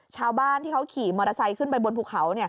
ชาวบ้านที่เขาขี่มอเตอร์ไซค์ขึ้นไปบนภูเขา